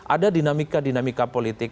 ada dinamika dinamika politik